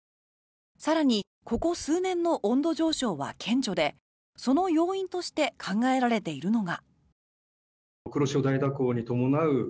更にここ数年の温度上昇は顕著で、その要因として考えられているのが。